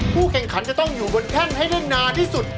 ผู้แข่งขันจะอยู่บนแข่งให้ดังนานที่สุด